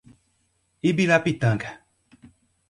Ibirapitanga